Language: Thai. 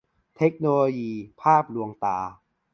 เทคโนโลยี-ภาพลวงตา